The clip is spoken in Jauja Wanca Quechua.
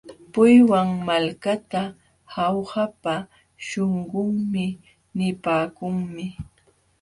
Puywan malkata Jaujapa śhunqunmi nipaakunmi.